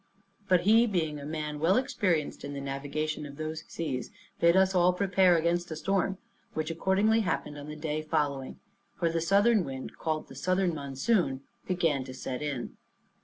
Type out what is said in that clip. But he being a man well experienced in the navigation of those seas, bid us all prepare against a storm, which accordingly happened on the day following; for the southern wind, called the southern monsoon, began to set in.